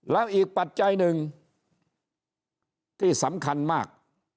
แล้วอีกปัจจัยหนึ่งที่สำคัญมาก